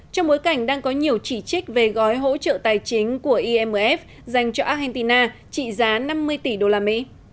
trong bối cảnh đang có nhiều chỉ trích về gói hỗ trợ tài chính của imf dành cho argentina trị giá năm mươi tỷ usd